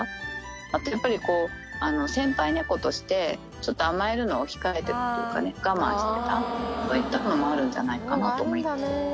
あとやっぱり、先輩猫として、ちょっと甘えるのを控えてたというかね、我慢してた、そういったものもあるんじゃないかなと思います。